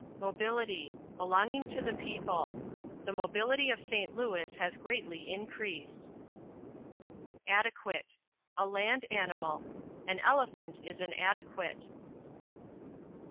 Mobility Belonging to the people: The mobility of St. Louis has greatly increased. Adequate A land animal: An elephant is an adequate.